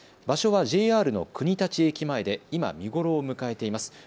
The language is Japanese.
場所はＪＲの国立駅前で今、見頃を迎えています。